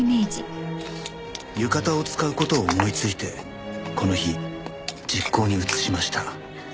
「浴衣を使う事を思いついてこの日実行に移しました」